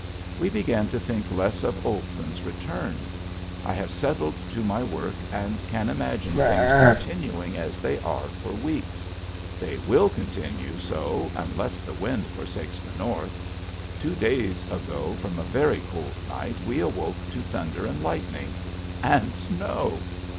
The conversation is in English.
We begin to think less of Olson's return. I have settled to my work and can imagine things continuing as they are for weeks. They will continue so unless the wind forsakes the north. Two days ago after a very cold night we awoke to thunder and lightning and snow!